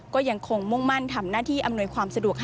ก็ยังคงมุ่งมั่นทำหน้าที่อำนวยความสะดวก